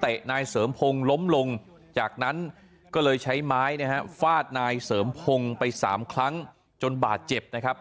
เตะนายเสริมพงศ์ล้มลงจากนั้นก็เลยใช้ไม้นะฮะฟาดนายเสริมพงศ์ไป๓ครั้งจนบาดเจ็บนะครับ